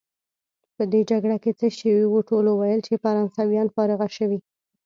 په دې جګړه کې څه شوي وو؟ ټولو ویل چې فرانسویان فارغه شوي.